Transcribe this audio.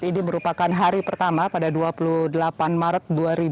ini merupakan hari pertama pada dua puluh delapan maret dua ribu dua puluh